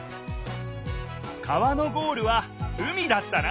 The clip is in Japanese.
川のゴールは海だったな！